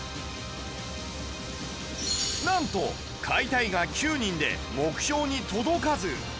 なんと「買いたい」が９人で目標に届かず